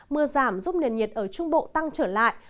mưa giảm giúp nền nhiệt ở trung bộ tăng trở lại